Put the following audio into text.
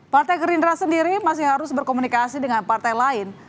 partai gerindra sendiri masih harus berkomunikasi dengan partai lain